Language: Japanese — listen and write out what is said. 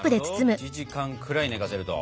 １時間くらい寝かせると。